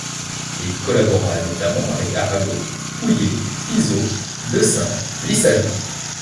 Il collabora notamment avec Arago, Pouillet, Fizeau, Desains, Lissajous.